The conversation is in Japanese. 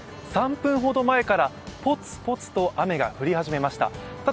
３分ほど前からポツポツと雨が降り始めました。